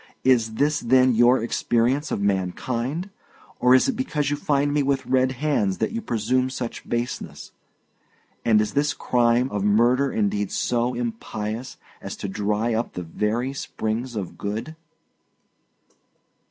Is this, then, your experience of mankind? or is it because you find me with red hands that you presume such baseness? And is this crime of murder indeed so impious as to dry up the very springs of good?"